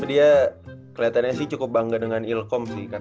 iya keseti sawat kesinian demonstrate